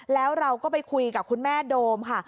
แล้วเราก็ไปคุยกับคุณแม่โดมค่ะ